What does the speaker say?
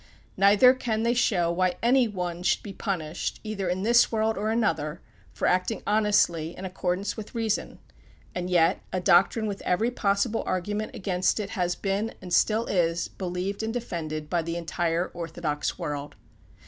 Neither can they show why any one should be punished, either in this world or another, for acting honestly in accordance with reason; and yet, a doctrine with every possible argument against it has been, and still is, believed and defended by the entire orthodox world.